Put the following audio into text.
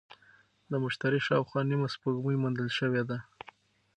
د مشتري شاوخوا نیمه سپوږمۍ موندل شوې ده.